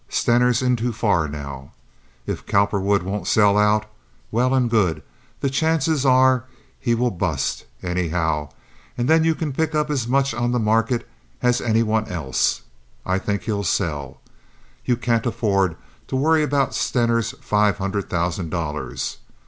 Stener's in too far now. If Cowperwood won't sell out, well and good; the chances are he will bust, anyhow, and then you can pick up as much on the market as any one else. I think he'll sell. You can't afford to worry about Stener's five hundred thousand dollars.